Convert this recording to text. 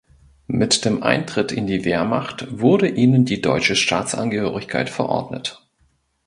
Mit dem Eintritt in die Wehrmacht wurde ihnen die deutsche Staatsangehörigkeit verordnet.